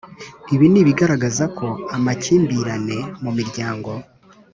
Ibi ni ibigaragaza ko amakimbirane mu miryango